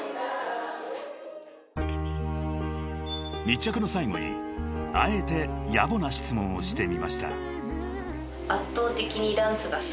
［密着の最後にあえてやぼな質問をしてみました］